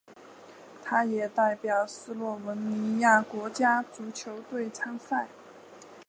他也代表斯洛文尼亚国家足球队参赛。